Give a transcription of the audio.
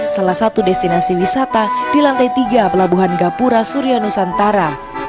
salah satu destinasi wisata di lantai tiga pelabuhan gapura surya nusantara